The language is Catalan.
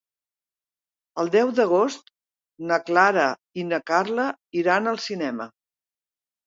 El deu d'agost na Clara i na Carla iran al cinema.